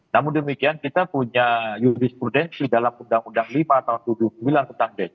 namun demikian kita punya jurisprudensi dalam undang undang lima atau tujuh x sembilan tentang desa